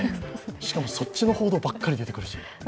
しかも、そっちの報道ばっかり出てくるし。